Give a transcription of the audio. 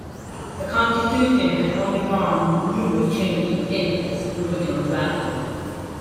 The constitution has undergone numerous changes since its original drafting.